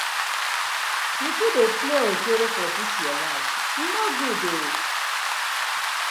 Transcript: Yu too dey play ojoro for dis yu life, e no good ooo.